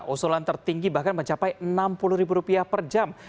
usulan tertinggi bahkan mencapai rp enam puluh per jam